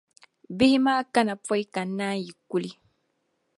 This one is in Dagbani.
Bihi maa kana pↄi ka n-naanyi kuli